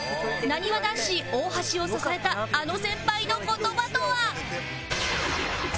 なにわ男子大橋を支えたあの先輩の言葉とは？